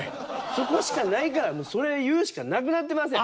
そこしかないからそれを言うしかなくなってますやん。